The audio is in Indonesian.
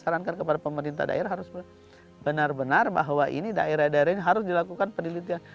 sarankan kepada pemerintah daerah harus benar benar bahwa ini daerah daerah ini harus dilakukan penelitian